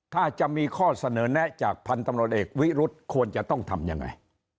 ถ้าจะมีข้อเสนอแนะจากพันธุ์ตำรวจเอกวิรุธควรจะต้องทำยังไง